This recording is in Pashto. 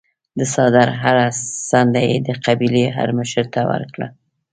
د څادر هره څنډه یې د قبیلې هرمشر ته ورکړه.